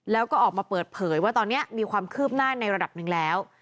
แล้วก็ออกมาเปิดเผยว่าตอนนี้มีความคืบหน้าในระดับหนึ่งแล้ว